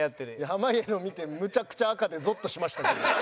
濱家の見てむちゃくちゃ赤でゾッとしましたけど。